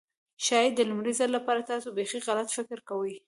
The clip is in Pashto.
ښايي د لومړي ځل لپاره تاسو بيخي غلط فکر کوئ.